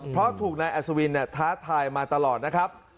เพราะถูกนายอัศวินท้าทายมาตลอดนะครับ